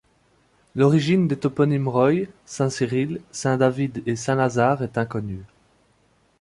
L'origine des toponymes Roy, Saint-Cyrille, Saint-David et Saint-Lazare est inconnue.